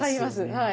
はい。